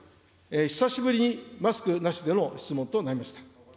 久しぶりに、マスクなしでの質問となりました。